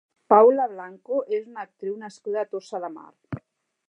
Paula Blanco és una actriu nascuda a Tossa de Mar.